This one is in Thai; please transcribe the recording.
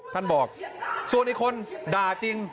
ท่านบอกส่วนอีกคนด่าจริง